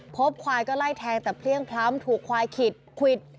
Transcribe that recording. พบควายก็ไล่แทงแต่เพลี่ยงพล้ำถูกควายขีดควิด